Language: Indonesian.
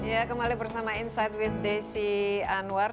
ya kembali bersama insight with desi anwar